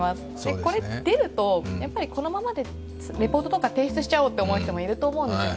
これが出るとこのままレポートとか提出しちゃおうと思う人も多いと思うんですね。